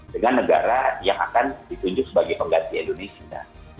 dengan negara yang akan ditunjuk sebagai pengganti indonesia